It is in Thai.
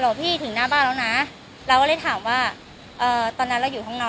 บอกพี่ถึงหน้าบ้านแล้วนะเราก็เลยถามว่าตอนนั้นเราอยู่ห้องนอน